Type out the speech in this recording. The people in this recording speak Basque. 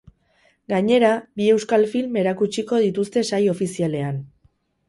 Gainera, bi euskal film erakutsiko dituzte sail ofizialean.